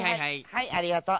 はいありがとう。